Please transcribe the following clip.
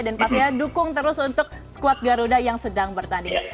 dan pastinya dukung terus untuk squad garuda yang sedang bertanding